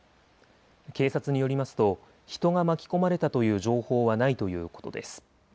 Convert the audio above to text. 警察によりますと人が巻き込まれたという情報はないということです。